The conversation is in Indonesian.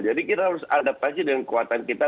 jadi kita harus adaptasi dengan kekuatan kita